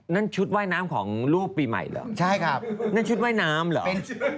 นั่นชุดว่ายน้ำของรูปปีใหม่เหรอใช่ครับนั่นชุดว่ายน้ำเหรอ